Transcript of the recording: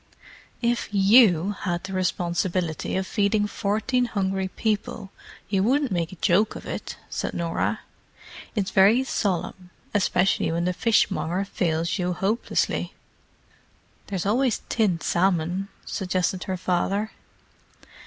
"If you had the responsibility of feeding fourteen hungry people you wouldn't make a joke of it," said Norah. "It's very solemn, especially when the fishmonger fails you hopelessly." "There's always tinned salmon," suggested her father.